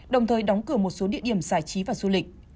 đồng thời đóng cửa một số địa điểm giải trí và du lịch